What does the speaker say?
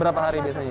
berapa hari biasanya